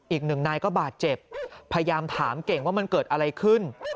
อีกหนึ่งนายก็บาดเจ็บพยายามถามเก่งว่ามันเกิดอะไรขึ้น